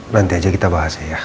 nanti aja kita bahas ya